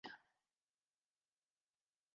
贵州财经学院财政专业毕业。